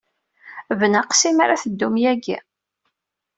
Bnaqes imi ara teddum yagi.